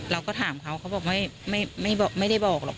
เราก็ถามเขาเขาบอกไม่ได้บอกหรอก